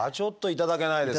いただけないですね。